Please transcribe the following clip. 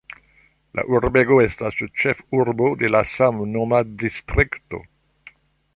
La urbego estas ĉefurbo de la samnoma distrikto.